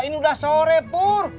ini udah sore pur